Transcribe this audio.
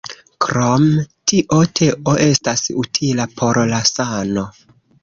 Krom tio, teo estas utila por la sano.